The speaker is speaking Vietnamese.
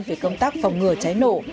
về công tác phòng ngừa cháy nổ